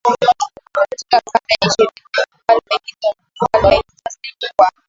katika karne ya ishirini Falme hizo zilikuwa